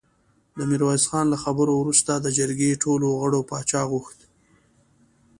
د ميرويس خان له خبرو وروسته د جرګې ټولو غړو پاچا غوښت.